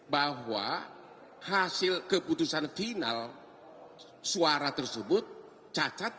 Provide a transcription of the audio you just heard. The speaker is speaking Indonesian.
bahwa hasil keputusan final suara tersebut cacat